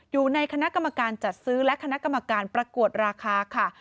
อยู่ในคณะกรรมการจัดซื้อและคณะกรรมการประกวดราคาค่ะ